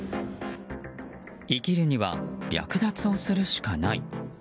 生きるには略奪をするしかない。